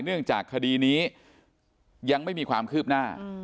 เนื่องจากคดีนี้ยังไม่มีความคืบหน้า